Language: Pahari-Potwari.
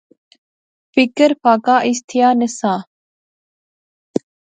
فکر فاقہ اس تھیا نہسا